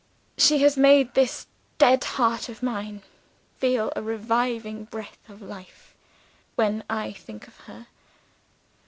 She has made this dead heart of mine feel a reviving breath of life, when I think of her.